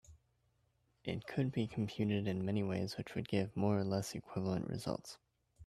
It could be computed in many ways which would give more or less equivalent results.